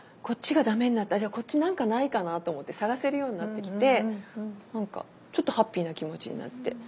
こっちが駄目になったらこっち何かないかなと思って探せるようになってきて何かちょっとハッピーな気持ちになって。